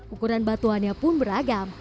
ukuran batuannya pun beragam